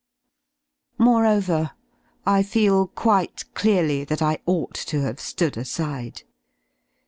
Moreover, I feel quite clearly that I ought to have ^ood aside.